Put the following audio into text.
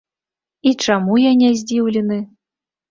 І чаму я не здзіўлены?